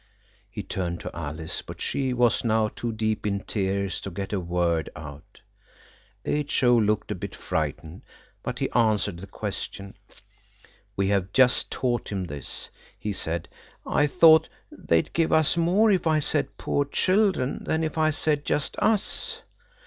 He turned to Alice, but she was now too deep in tears to get a word out. H.O. looked a bit frightened, but he answered the question. We have taught him this. He said– "I thought they'd give us more if I said poor children than if I said just us."